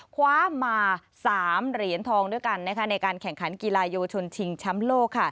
คว้ามา๓เหรียญทองด้วยกันในการแข่งขันกีฬาเยาวชนชิงแชมป์โลก